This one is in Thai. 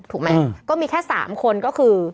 ถูกไหมก็มีแค่๓คนก็คือ